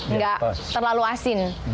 nggak terlalu asin